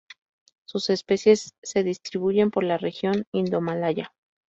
Sus especies se distribuyen por la región indomalaya.